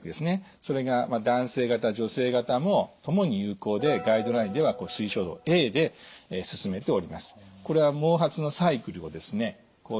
それが男性型女性型も共に有効でガイドラインでは推奨度Ａで勧めております。